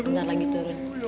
ntar lagi turun